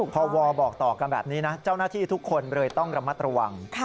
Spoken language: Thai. พอวอบอกต่อกันแบบนี้นะเจ้าหน้าที่ทุกคนเลยต้องระมัดระวัง